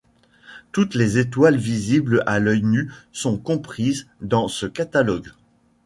Toutes les étoiles visibles à l'œil nu sont comprises dans ce catalogue.